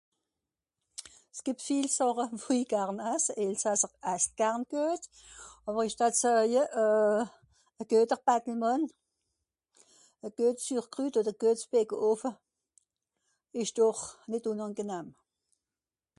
s'gìbt viel sàre wo'i garn ass elsasser asst garn guet àwer ìsch d'att seuje euh à gueter Badelmànn à guet Sürkrüt oder guets Bäckehoffe esch dor nìt unàngenamm